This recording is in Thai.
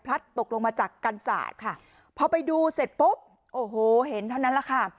ตกลงมาจากกันศาสตร์ค่ะพอไปดูเสร็จปุ๊บโอ้โหเห็นเท่านั้นแหละค่ะ